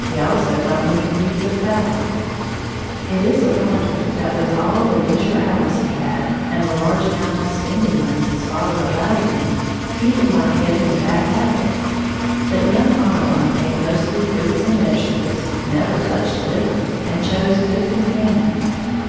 He also got many breeds of fowl. It is a wonder that with all the leisure hours he had, and the large amount of spending money his father allowed him, he did not get into bad habits, but young Audubon ate mostly fruit and vegetables, never touched liquor, and chose good companions.